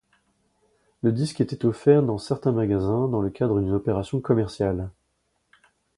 Le disque était offert dans certains magasins dans le cadre d'une opération commerciale.